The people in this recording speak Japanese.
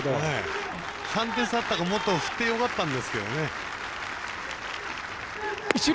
３点差あったのでもっと振ってよかったんですけどね。